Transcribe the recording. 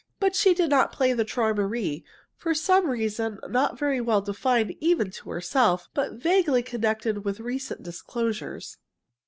But she did not play the "Träumerei," for some reason not very well defined even to herself, but vaguely connected with recent disclosures.